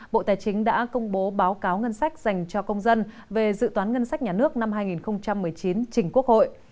bộ tài chính đã công bố báo cáo ngân sách dành cho công dân về dự toán ngân sách nhà nước năm hai nghìn một mươi chín trình quốc hội